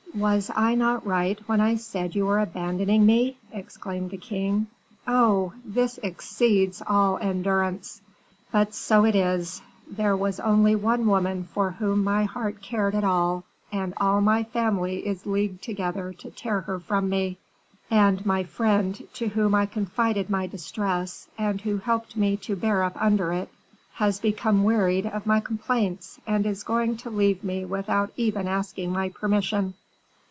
"Was I not right when I said you were abandoning me?" exclaimed the king. "Oh! this exceeds all endurance. But so it is: there was only one woman for whom my heart cared at all, and all my family is leagued together to tear her from me; and my friend, to whom I confided my distress, and who helped me to bear up under it, has become wearied of my complaints and is going to leave me without even asking my permission."